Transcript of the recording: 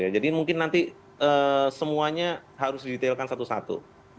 jadi mungkin nanti semuanya harus didetailkan satu satu